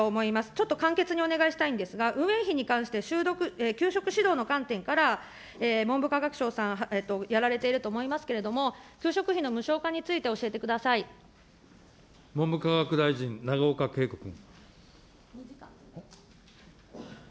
ちょっと簡潔にお願いしたいんですが、運営費に関して給食指導の観点から文部科学省さん、やられていると思いますけれども、給食費の無償化について教えてく文部科学大臣、永岡桂子君。